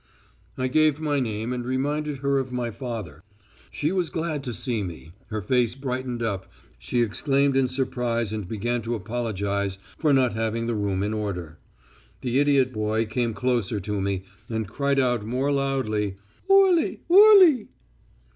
"I gave my name and reminded her of my father. She was glad to see me, her face brightened up, she exclaimed in surprise and began to apologise for not having the room in order. The idiot boy came closer to me, and cried out more loudly, _oorli, oorli....